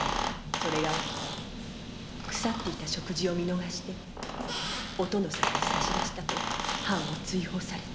それがある日腐っていた食事を見逃してお殿様に差し出したと藩を追放されて。